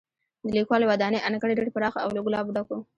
د لیکوالو ودانۍ انګړ ډېر پراخه او له ګلابو ډک و.